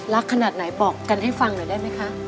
ขนาดไหนบอกกันให้ฟังหน่อยได้ไหมคะ